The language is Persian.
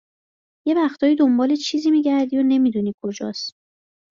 یه وقتایی دنبال چیزی میگردی و نمیدونی کجاس